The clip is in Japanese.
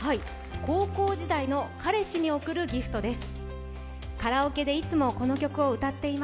高校時代の彼氏に贈るＧＩＦＴです。